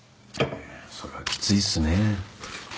それはきついっすね。